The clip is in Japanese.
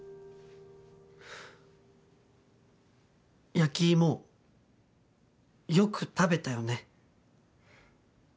焼き芋よく食べたよね。